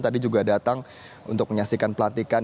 tadi juga datang untuk menyaksikan pelantikan